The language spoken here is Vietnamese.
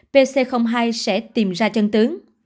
pc hai sẽ tìm ra chân tướng